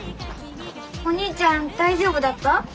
お兄ちゃん大丈夫だった？